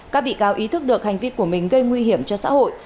các bị cáo ý thức được hành vi của mình gây nguy hiểm cho xã hội